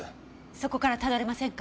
そこからたどれませんか？